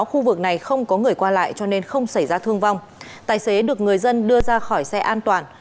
khu vực này không có người qua lại cho nên không xảy ra thương vong tài xế được người dân đưa ra khỏi xe an toàn